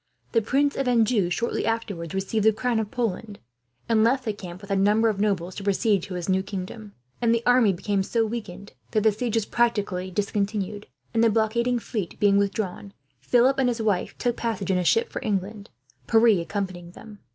The Prince of Anjou, shortly afterwards, received the crown of Poland; and left the camp, with a number of nobles, to proceed to his new kingdom; and the army became so weakened that the siege was practically discontinued and, the blockading fleet being withdrawn, Philip and his wife took passage in a ship for England, Pierre accompanying them.